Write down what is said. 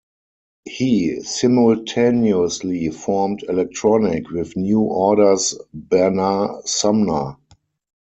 He simultaneously formed Electronic with New Order's Bernard Sumner.